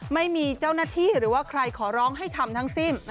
ไม่มีเจ้าหน้าที่หรือว่าใครขอร้องให้ทำทั้งสิ้น